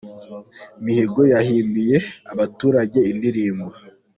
Mihigo yahimbiye abaturajye indirimbo